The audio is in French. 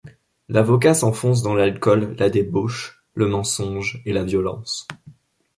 L'avocat s'enfonce dans l'alcool, la débauche, le mensonge et la violence.